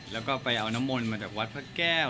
แล้วก็ไปเอาน้ำมนต์มาจากวัดพระแก้ว